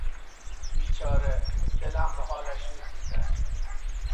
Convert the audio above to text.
بیچاره ـ دلم به حالش میسوزد!